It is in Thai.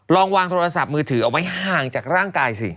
ลองวางโทรศัพท์มือถือเอาไว้ห่างจากร่างกายสิ